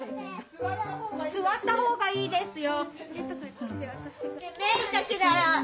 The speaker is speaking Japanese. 座ったほうがいいですよ。